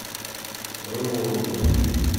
Seεεuɣ urnan.